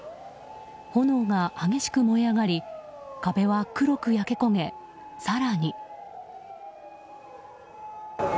炎が激しく燃え上がり壁は黒く焼け焦げ、更に。